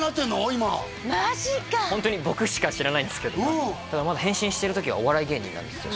今マジかホントに僕しか知らないんですけど変身してる時はお笑い芸人なんですよ